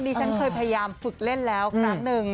ฉันเคยพยายามฝึกเล่นแล้วครั้งหนึ่ง